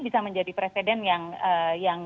bisa menjadi presiden yang